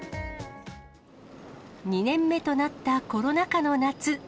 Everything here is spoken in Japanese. ２年目となったコロナ禍の夏。